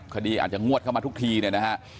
คดีอาจจะงวดเข้ามาทุกทีเนี่ยนะฮะ